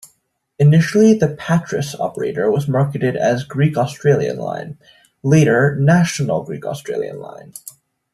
Initially the "Patris" operator was marketed as Greek-Australian Line, later National Greek-Australian Line.